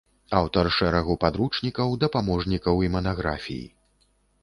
Аўтар шэрагу падручнікаў, дапаможнікаў і манаграфій.